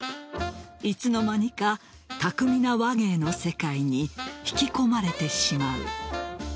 いつの間にか巧みな話芸の世界に引き込まれてしまう。